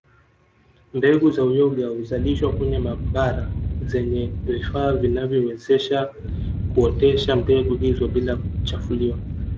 Mbegu za uyoga huzalishwa kwenye maabara zenye vifaa vinavyowezesha kuotesha mbegu hizo bila kuchafuliwa